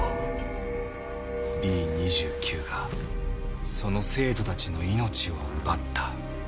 Ｂ２９がその生徒たちの命を奪った。